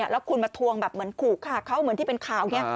แล้วคุณมาทวงแบบเหมือนขู่ฆ่าเขาเหมือนที่เป็นข่าวไง